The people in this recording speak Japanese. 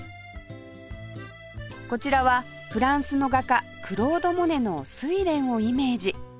こちらはフランスの画家クロード・モネの『睡蓮』をイメージ